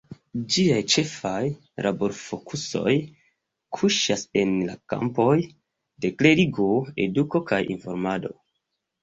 Ĝiaj ĉefaj laborfokusoj kuŝas en la kampoj de klerigo, eduko kaj informado.